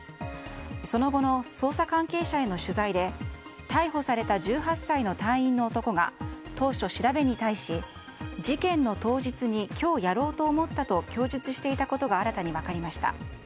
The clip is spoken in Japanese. その後の捜査関係者への取材で逮捕された１８歳の隊員の男が当初、調べに対し事件の当日に今日、やろうと思ったと供述していたことが新たに分かりました。